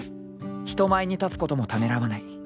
［人前に立つこともためらわない］